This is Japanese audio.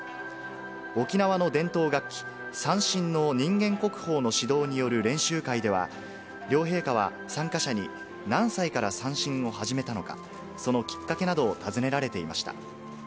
沖縄の伝統楽器、三線の人間国宝の指導による練習会では、両陛下は参加者に、何歳から三線を始めたのか、そのきっかけなどを尋ねられていました。